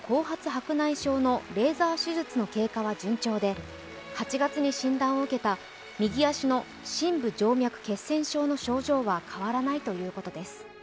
白内障のレーザー手術の経過は順調で８月に診断を受けた右足の深部静脈血栓症の症状は変わらないということです。